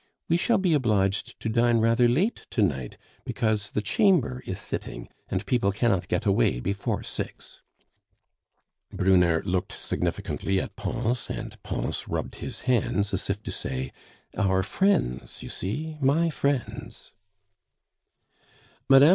We shall be obliged to dine rather late to night, because the Chamber is sitting, and people cannot get away before six." Brunner looked significantly at Pons, and Pons rubbed his hands as if to say, "Our friends, you see! My friends!" Mme.